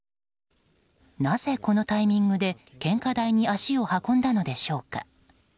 なぜこのタイミングで献花台に足を運んだのでしょうか。